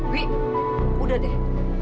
wi udah deh